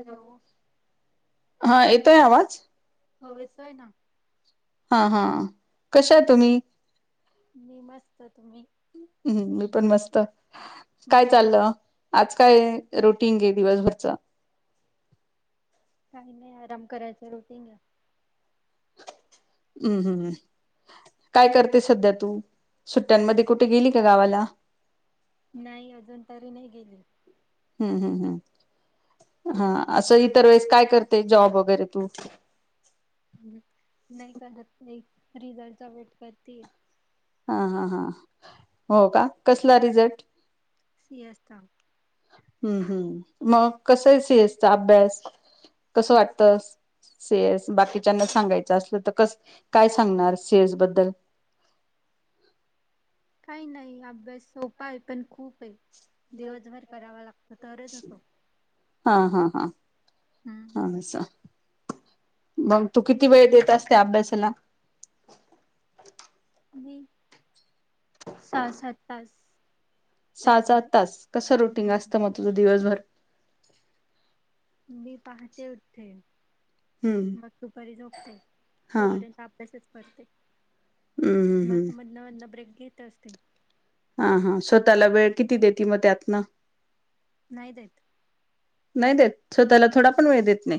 Hello हा येतोय आवाज. हो येतोय ना हां हां, कशा तुम्ही? मी मस्त, तुम्ही? हम्म, मी पण मस्त, काय हम्म चाललं? आज काय, रूटिंग ये दिवसभरच? काही नही आराम करायचं, रुटींग. हम्म हम्, काय करते सध्या तू, सुट्टयांमध्ये कुठे गेली का गावाला? नाही, अजून तरी नही गेली. हम्म हम् हम्, हां असं इतरवेळेस काय करते, जॉब वगैरे तू? ह्म, नही करत, एक रिझलचा वेट करतिये. हां हां हां, हो का? कसला रिझल्ट? सी एस चा [unintelligible] हम्म हम्म, म कस ये सी एस चा अभ्यास, कसं वाटत? सी एस, बाकीच्यांना सांगायचं असलं, तर कस काय सांगणार, सी एस बद्दल? काही नाही अभ्यास सोपा ये, पण खूप ये. दिवसभर करावा लागतो, तरच होतो. हां हां हां, हम्म. असं. मंग, तू किती वेळ देत असते, अभ्यासाला? मी, सहा सात तास. सहा त्याच्यावर सात तास, कसं रुटीन हम्म. असतं, मग तुझं दिवसभर? मी पाहते उठतेे, हम्म मग दुपारी झोपते, हा तो हम्म पर्यंत अभ्यास च करते, हम्म मध हम्म न मध ब्रेक घेत असते. हां हां, स्वतःला वेळ किती देती म त्यातन? नाही देत. नाही देत, स्वतःला थोडा पण वेळ देत नई,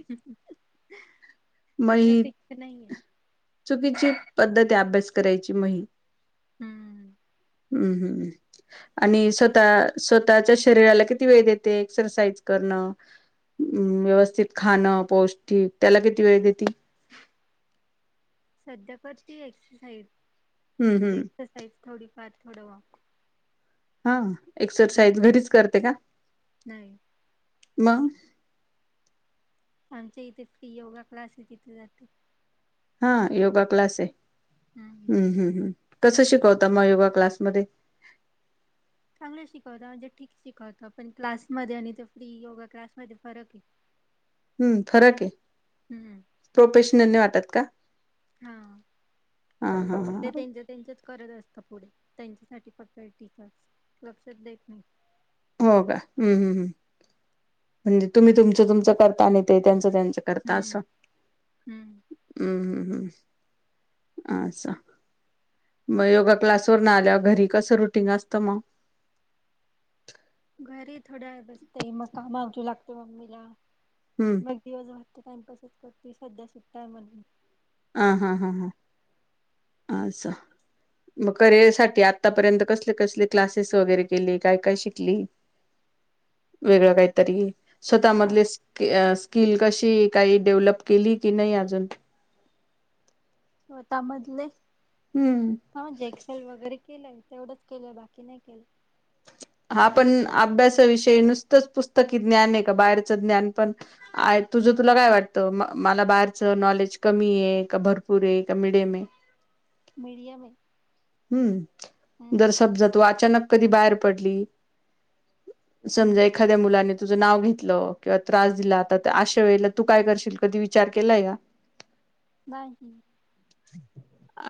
मै माझं फिक्स नाहीये. चुकीची पद्धत ये, अभ्यास करायची म ही. हम्म. हम् ह् आणि स्वतः स्वतःच्या शरीराला किती वेळ देते? एक्सरसाइज करणं, मं व्यवस्थित खाणं पौष्टिक, त्याला किती वेळ देती? सध्या कर ती एक्सरसाईज, हम्म म्हणजे हम्म एक्सरसाइज थोडीफार, थोडं वाक् हां, हम्म एक्सरसाइज घरीच करते का? नाही. मग? आमच्या इथे फ्री योगा क्लास ये, तिथे जाते. हां योगा क्लास ये, हम्म. ह्म ह्म, कसं शिकवता म योगा क्लासमध्ये? चांगलं शिकवता, म्हणजे ठीक शिकवता, पण क्लासमध्ये आणि ते फ्री योगा क्लासमध्ये फरक ये. हम्म, फरक ये. हम्म ह्म. प्रोफेशनल नही वाटत का? हां, हा हा हा ते त्यांचे त्यांच्याच करत असता पुढे, त्यांच्यासाठी फक्त हे ठीक च, लक्षच देत नाही. हो का? ह्म हम्म, म्हणजे तुम्ही तुमचं तुमच करता आणि ते त्यांच त्यांच करता, हम्म. असं? हम्म. हम्म हम्म. आसं. म योगा क्लासवरून आल्यावर, घरी कसं रुटिंग असतं, मग? घरी थोड्यावेळ बसते, म काम आवरु लागते, मम्मीला. हम्म मग दिवस भर त टाइमपासच करते, सध्या सुट्टा म्हणून हा हा हा हा. अस. मग करिअर साठी आतापर्यंत कसले कसले क्लासेस वगैरे केले? काय काय शिकली? वेगळं काहीतरी? स्वतः मधले स्किल कशी काही डेव्हलप केली की नाही अजून? स्वतः मधले? हम्म. हा जेएक्सेल वगैरे केलंय. तेवढंच केलंय. बाकी नाही केलं. हा पण अभ्यासाविषयी नुसतंच पुस्तकी ज्ञाने, का बाहेरचं ज्ञान पण आ तुझं तुला काय वाटतं? मला बाहेरच नॉलेज कमीये? का भरपूरे का मिडयमे? मीडिय मे. हम्म. जर समजा तू अचानक कधी बाहेर पडली? हम्म. समजा एक एखाद्या मुलाने तुझं नाव घेतलं. किंवा त्रास दिला. तर अशा वेळेला तू काय करशील? कधी विचार केलाय का? [inaudible] नाही.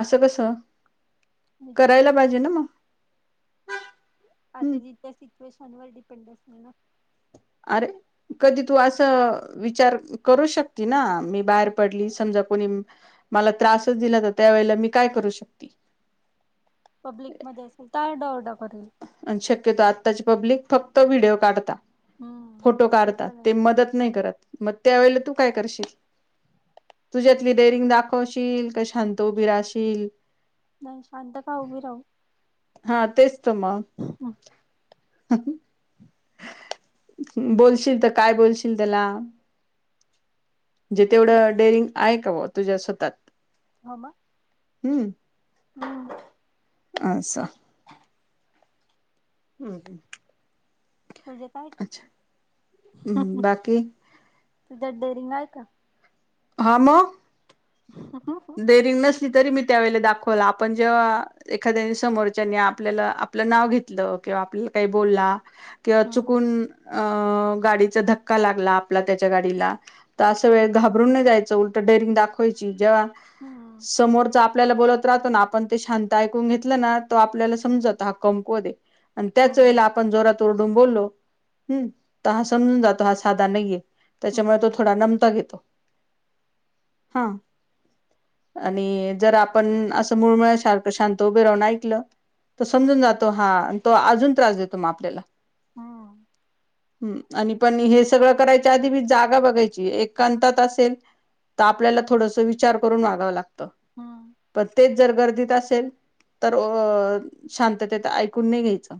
असं कसं? विचार करायला नाही [inaudible] पाहिजे ना मग का आता हम्म जिथ [unintelligible] पैशांवर डिपेंडअसते ना? अरे. कधी तू असं विचार करू शकते ना, मी बाहेर पडली समजा कोणी मला त्रासच दिला तर, त्यावेेळेला मी काय करू शकते? पब्लिकमध्येध असेल तर, आरडा ओरडा करेल. आणि शक्यतो आत्ताची पब्लिक फक्त व्हिडिओ काढता. हम्म फोटो काढता. पण आहे ते मदत नाही करत. म त्यावेेळेला तू काय करशील? तुझ्यातली डेरिंग दाखवशील? का शांत उभी राशील? नाही. शांत का उभी राहू? हा तेच त म. हम्म. बोलशील त काय बोलशील त्याला? जे तेवढं डेअरिंग आहे का बा? तुझ्या स्वतात. हो मग. हम्म. अस. हम्म. तूझात आहेत? अच्छा हम्म बाकी तुझ्यात डेरिंग आहे का? हा मग. [inaudible] डेरिंग नसली तरी मी त्यावेळला दाखवल. आपण जेव्हा एखाद्या समोरच्यानी आपल्याला आपलं नाव घेतलं. किंवा आपल्याला काही बोलला. किंवा हम्म. चुकून अ गाडीचा धक्का लागला. आपला त्याच्या गाडीला. तर अशा वेळ हम्म. घाबरून नाही जायचं. उलटं डेअरिंग दाखवायची. जेव्हा हम्म. समोरच आपल्याला बोलत राहतो ना. आपण ते शांत ऐकून घेतलं ना. तो आपल्याला समजत. हा कमकुवते. आणि त्याच वेळेला हम्म. आपण जोरात ओरडून बोललो. हम्म तर हा समजून जातो हा साधा नाहीे. त्याच्यामुळे तो हम्म. थोडा नमता घेतो. हा. आणि जर आपण असं मुळमळ्यासारखं शांत उभे राहून ऐकलं तो समजून जातो हा आणि तो अजून त्रास देतो मग आपल्याला. हम्म. हम्म आणि पण हे सगळं करायच्या आधी मी जागा बघायची एक कांतात असेल. तर आपल्याला थोडस विचार करून वागाव लागत. हा. पण तेच जर गर्दीत असेल. तर अ शांततेत ऐकून नाही घ्यायचं.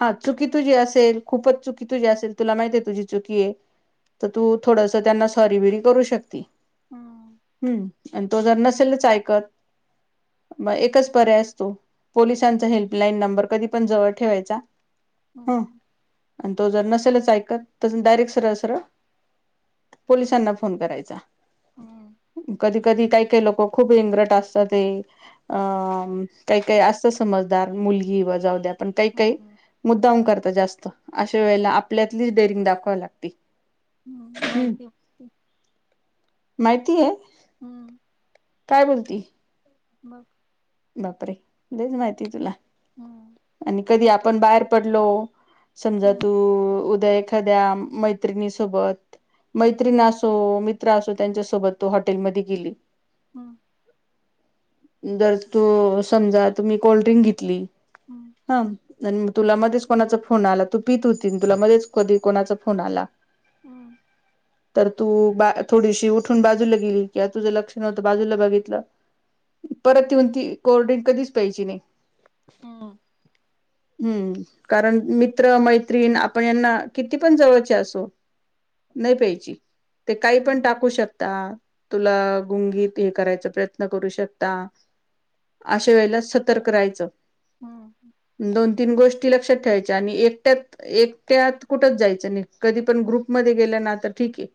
हा चुकी तुझी असेल खूपच चुकी तुझी असेल तुला माहती आहे तुझी चुकी आहे. तर तू थोडस त्यांना सॉरी बी री करू शकते. हम्म. हम्म, आणि तो जर नसेल च ऐकत मग एकच पर्याय असतो पोलिसांचा हेल्पलाईन नंबर कधी पण जवळ ठेवायचा. ह. हम्म. आणि तो जर नसेलच ऐकत तस डायरेक्ट सरळ, सरळ पोलिसांना फोन करायचा. हम्म. कधी, कधी काही, काही लोक खूप इंग्रट असतात ते अ काही, काही असतं समजदार मुलगी ही जाऊद्या पण काही, काही हम्म. मुद्दाम करत जास्त अशा वेळेला आपल्यातलीच डेअरिंग दाखवावी लागते. हम्म, माहिती असते. माहिती आहे. हम्म बघ बापरे लईच माहिती तुला हम्म आणि कधी आपण बाहेर पडलो समजा हम्म तू उद्या एखाद्या मैत्रिणी सोबत मैत्रिण असो मित्र असो त्यांच्यासोबत तु हॉटेलमध्ये गेली हम्म. जर तू समजा तुम्ही कोल्डड्रिंक घेतली. ह... तुला मध्येच कोणाचा फोन आला तू पीत होती तुला मध्येच कधी कोणाचा फोन आला हम्म. हा [inaudible] तर तू बा थोडीशी उठून बाजूला गेली कि तुझं लक्ष नव्हतं बाजूला बघितलं परत येऊन ती कोल्ड्रिंक कधीच प्यायची नाही. हम्म. हँ [unintelligible] हम्म कारण मित्र मैत्रीण आपण यांना किती पण जवळचे असो नाही प्यायची. ते काही पण हम्म टाकू शकता तुला गुंगीत हे करायचा प्रयत्न करू शकता. अशा वेळेला सतर्क राहायच. हम्म. दोन, तीन गोष्टी लक्षात ठेवायच्या आणि एकट्यात एकट्यात कुठंच जायचं नाही कधी पण ग्रुपमध्ये गेलं ना तर ठीक आहे.